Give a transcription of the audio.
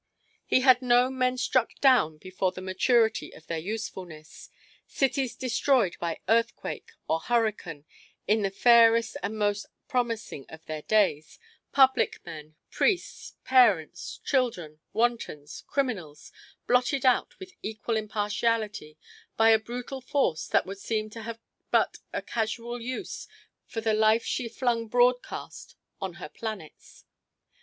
He had known men struck down before in the maturity of their usefulness, cities destroyed by earthquake or hurricane in the fairest and most promising of their days: public men, priests, parents, children, wantons, criminals, blotted out with equal impartiality by a brutal force that would seem to have but a casual use for the life she flung broadcast on her planets.